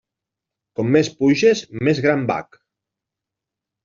Com més puges, més gran bac.